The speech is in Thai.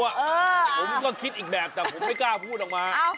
ผมก็คิดอีกแบบแต่ผมไม่กล้าพูดออกมา